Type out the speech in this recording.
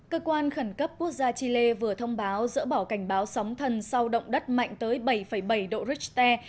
cơ quan khẩn cấp quốc gia chile vừa thông báo dỡ bỏ cảnh báo sóng thần sau động đất mạnh tới bảy bảy độ richter